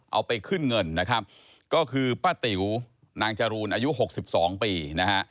เอาไปขึ้นเงินนะครับก็คือป้าติ๋วนางจรูนอายุหกสิบสองปีนะฮะ